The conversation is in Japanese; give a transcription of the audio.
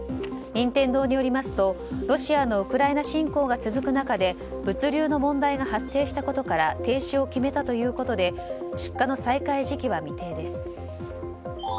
任天堂によりますとロシアのウクライナ侵攻が続く中で物流の問題が発生したことから停止を決めたということで出荷の再開時期は未定です。